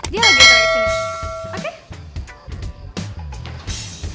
dia lagi taruh disini